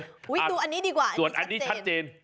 ดูอันนี้ดีกว่าอันนี้ชัดเจนส่วนอันนี้ชัดเจน